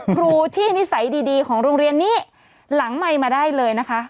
ครูที่นิสัยดีของโรงเรียนนี้หลังใหม่มาได้เลยนะคะ